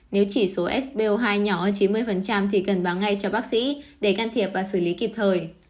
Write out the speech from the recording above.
nếu chỉ số sbo hai nhỏ chín mươi thì cần báo ngay cho bác sĩ để can thiệp và xử lý kịp thời